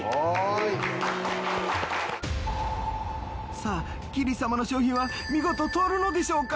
さあキリ様の商品は見事通るのでしょうか？